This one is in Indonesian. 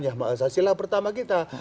yang saya sila pertama kita